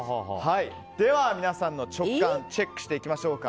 では皆さんの直感チェックしていきましょうか。